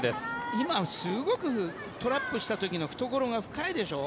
今、すごくトラップした時の懐が深いでしょ？